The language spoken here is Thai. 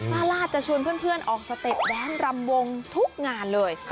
ราชจะชวนเพื่อนออกสเต็ปแว้นรำวงทุกงานเลย